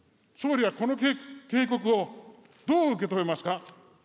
総理はこの警告をどう受け止めますか。